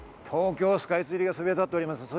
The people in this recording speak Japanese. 東京スカイツリーがそびえ立っております。